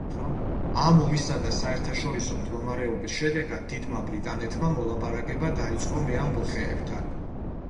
ამ ომისა და საერთაშორისო მდგომარეობის შედეგად დიდმა ბრიტანეთმა მოლაპარაკება დაიწყო მეამბოხეებთან.